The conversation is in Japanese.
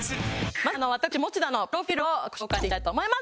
まずは私餅田のプロフィールを紹介していきたいと思います。